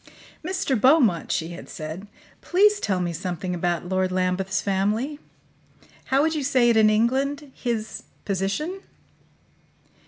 "Mr. Beaumont," she had said, "please tell me something about Lord Lambeth's family. How would you say it in England his position?"